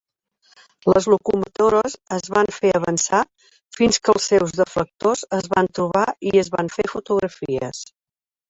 Les locomotores es van fer avançar fins que els seus deflectors es van trobar i es van fer fotografies.